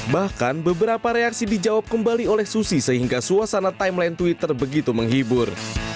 bahkan beberapa reaksi dijawab kembali oleh susi sehingga suasana timeline twitter begitu menghibur